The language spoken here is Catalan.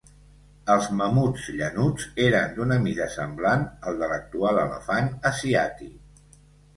Els mamuts llanuts eren d'una mida semblant al de l'actual elefant asiàtic.